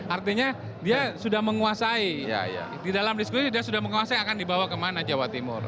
artinya dia sudah menguasai di dalam diskusi dia sudah menguasai akan dibawa kemana jawa timur